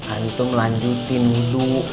antum lanjutin wudhu